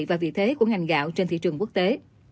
và vị thế của ngành gạo trên thị trường quốc tế